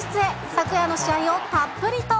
昨夜の試合をたっぷりと。